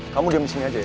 kamu diam di sini aja ya